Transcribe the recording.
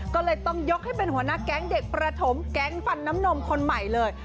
ก็เลยต้องยกให้เป็นหัวหน้าแก๊งเด็กประถมแก๊งฟันน้ำนมคนใหม่เลย